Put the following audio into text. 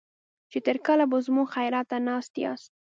چې تر کله به زموږ خيرات ته ناست ياست.